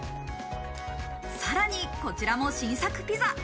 さらにこちらも新作ピザ。